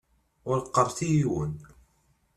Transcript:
Ur qqaṛet i yiwen.